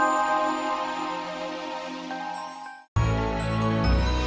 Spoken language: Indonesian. beri tahu di komentar